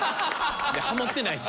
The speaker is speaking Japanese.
ハモってないし。